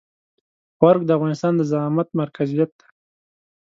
خو ارګ د افغانستان د زعامت مرکزيت دی.